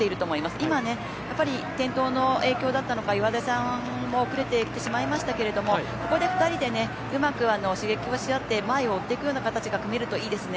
今やっぱり転倒の影響だったのか岩出さんも遅れてきてしまいましたけどここで２人でうまく刺激をしあって前を追っていくような形が組めるといいですね。